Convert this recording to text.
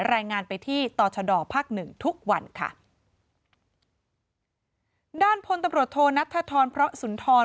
รายงานไปที่ต่อฉดภ์๑ทุกวันค่ะด้านพตนนัทธรพศุนทร